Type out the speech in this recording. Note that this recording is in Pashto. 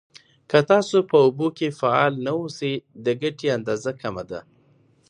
که تاسو په اوبو کې فعال نه اوسئ، د ګټې اندازه کمه ده.